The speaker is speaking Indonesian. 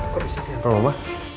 kok bisa di hp mama